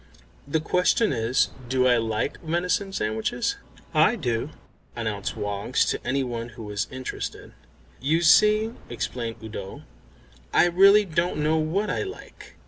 "The question is, Do I like venison sandwiches?" "I do," announced Woggs to any one who was interested. "You see," explained Udo, "I really don't know what I like."